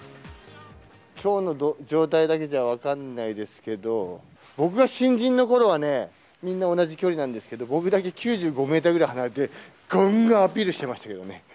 きょうの状態だけじゃ分からないですけど、僕が新人のころはね、みんな同じ距離なんですけど、僕だけ９５メートルぐらい離れて、がんがんアピールしてましたけどね。